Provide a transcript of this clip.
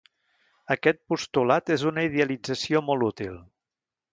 Aquest postulat és una idealització molt útil.